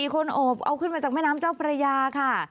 ๔คนโอบเอาขึ้นมาจากแม่น้ำเจ้าพระยาค่ะ